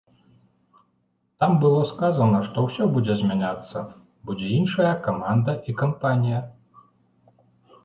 Там было сказана, што ўсё будзе змяняцца, будзе іншая каманда і кампанія.